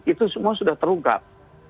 itu semua sudah terungkap